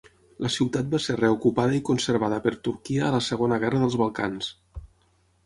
La ciutat va ser reocupada i conservada per Turquia a la Segona Guerra dels Balcans.